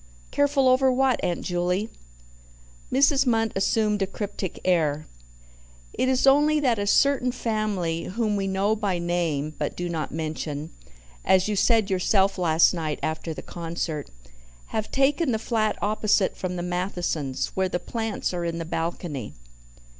"Careful over what, Aunt Juley?" Mrs. Munt assumed a cryptic air. "It is only that a certain family, whom we know by name but do not mention, as you said yourself last night after the concert, have taken the flat opposite from the Mathesons where the plants are in the balcony."